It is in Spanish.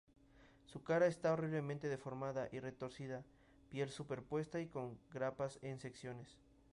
Su cara está horriblemente deformada y retorcida, piel superpuesta y con grapas en secciones.